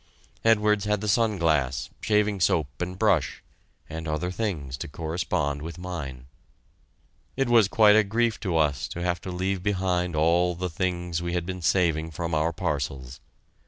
Edwards had the sun glass, shaving soap and brush, and other things to correspond with mine. It was quite a grief to us to have to leave behind us all the things we had been saving from our parcels.